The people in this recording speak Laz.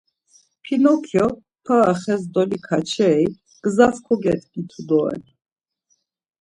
Pinokyo para xes dolikaçeri gzas kogedgitu doren.